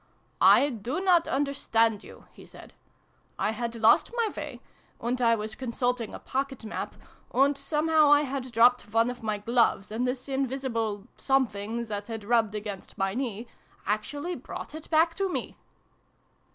" I do not understand you," he said. " I had lost my way, and I was consulting a pocket map, and somehow I had dropped one of my gloves, and this invisible Something, that had rubbed against my knee, actually brought it back to me